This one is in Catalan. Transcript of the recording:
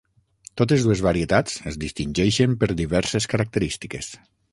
Totes dues varietats es distingeixen per diverses característiques.